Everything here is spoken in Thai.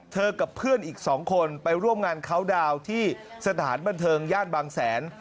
กับเพื่อนอีก๒คนไปร่วมงานเขาดาวน์ที่สถานบันเทิงย่านบางแสน